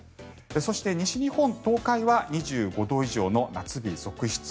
そして西日本、東海は２５度以上の夏日続出。